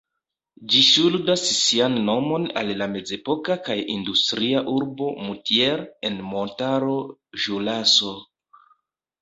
Ĝi ŝuldas sian nomon al la mezepoka kaj industria urbo Moutier en montaro Ĵuraso.